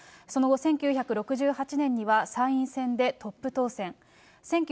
その後、１９６８年には参院選でトップ当選。